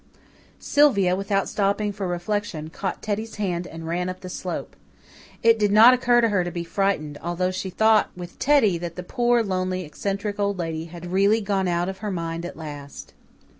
Sylvia, without stopping for reflection, caught Teddy's hand and ran up the slope. It did not occur to her to be frightened, although she thought with Teddy that the poor, lonely, eccentric Old Lady had really gone out of her mind at last.